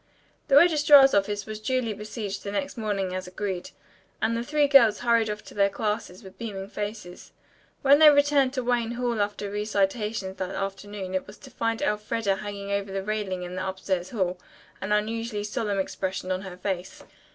The registrar's office was duly besieged the next morning, as agreed, and the three girls hurried off to their classes with beaming faces. When they returned to Wayne Hall after recitations that afternoon it was to find Elfreda hanging over the railing in the upstairs hall, an unusually solemn expression on her face.